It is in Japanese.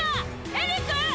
エリック！